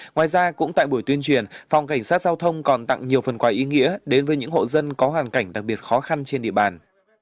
ngoài ra cũng tại buổi tuyên truyền phòng cảnh sát giao thông còn tặng nhiều phần quà ý nghĩa đến với những hộ dân có hoàn cảnh đặc biệt khó khăn trên địa bàn